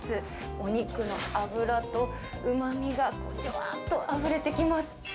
お肉の脂とうまみがじゅわっとあふれてきます。